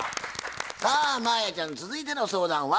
さあ真彩ちゃん続いての相談は？